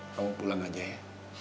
kamu pulang aja ya